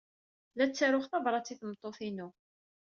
La ttaruɣ tabṛat i tmeṭṭut-inu.